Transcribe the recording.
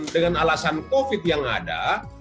dengan alasan covid yang ada